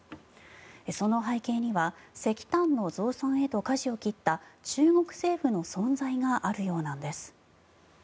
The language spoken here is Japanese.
その背景には石炭の増産へとかじを切った中国政府の存在があるようなんです。